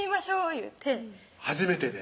言うて初めてで？